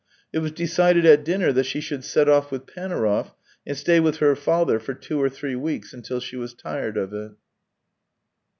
It was decided at dinner that she should set off with Panaurov, and stay with her father for two or three weeks until she was tired of it.